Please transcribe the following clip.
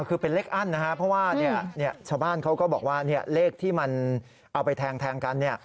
คือเป็นเลขอั้นนะครับเพราะว่าชาวบ้านเขาก็บอกว่าเลขที่มันเอาไปแทงกัน